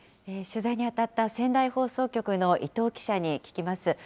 取材に当たった仙台放送局の伊藤記者に聞きます。